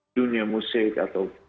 dunia musik atau